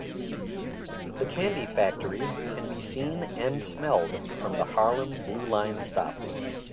The candy factory can be seen and smelled from the Harlem Blue Line stop.